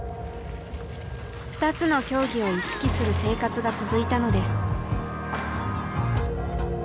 ２つの競技を行き来する生活が続いたのです。